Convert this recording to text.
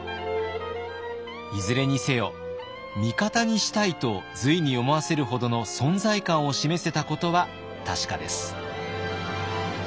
いずれにせよ「味方にしたい」と隋に思わせるほどの存在感を示せたことは確かです。